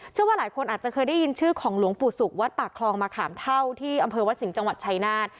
เชื่อว่าหลายคนอาจจะเคยได้ยินชื่อของหลวงปู่ศุกร์วัดปากคลองมะขามเท่าที่อำเภอวัดสิงห์จังหวัดชายนาฏ